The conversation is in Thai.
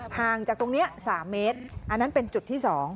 ห่างจากตรงนี้๓เมตรอันนั้นเป็นจุดที่๒